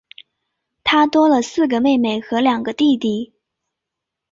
她多了四个妹妹和两个弟弟